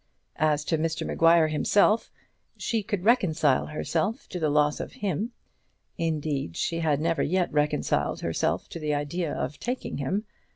As to Mr Maguire himself, she could reconcile herself to the loss of him. Indeed she had never yet reconciled herself to the idea of taking him.